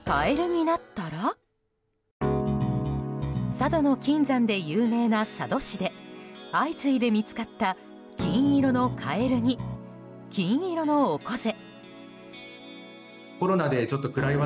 佐渡の金山で有名な佐渡市で相次いで見つかった金色のカエルに、金色のオコゼ。